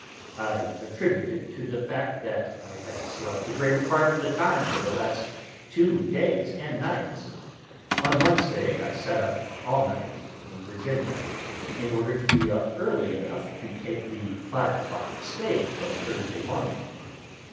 I attribute it to the fact that I have slept the greater part of the time for the last two days and nights. On Wednesday, I sat up all night, in Virginia, in order to be up early enough to take the five o'clock stage on Thursday morning.